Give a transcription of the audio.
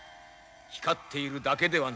光っているだけではない。